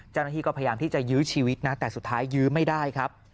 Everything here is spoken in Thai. เจ้าหน้าที่ก็พยายามที่จะยื้อชีวิตนะแต่สุดท้ายยื้อไม่ได้ครับ